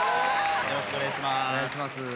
よろしくお願いします。